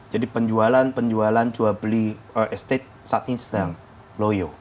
jadi penjualan penjualan jual beli real estate saat ini sedang loyo